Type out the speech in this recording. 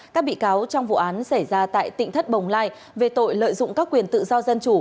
các bị cáo trong vụ án xảy ra tại tỉnh thất bồng lai về tội lợi dụng các quyền tự do dân chủ